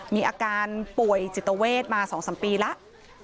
มีอาการป่วยจิตเวทมา๒๓ปีแล้ว